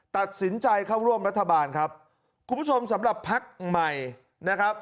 ตัดสินใจเข้าร่วมรัฐบาลครับคุณผู้ชมสำหรับพักใหม่นะครับ